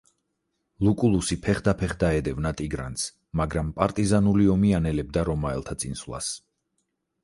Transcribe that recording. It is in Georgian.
ლუკულუსი ფეხდაფეხ დაედევნა ტიგრანს, მაგრამ პარტიზანული ომი ანელებდა რომაელთა წინსვლას.